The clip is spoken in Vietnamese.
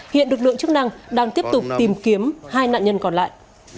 hiện lực lượng chức năng đang tiếp tục tìm kiếm hai nạn nhân còn lại